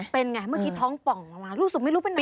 เป็นไงเมื่อกี้ท้องป่องลงมารู้สึกไม่รู้ไปไหน